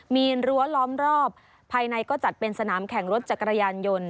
มีรั้วล้อมรอบภายในก็จัดเป็นสนามแข่งรถจักรยานยนต์